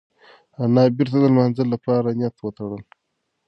انا بېرته د لمانځه لپاره نیت وتړل.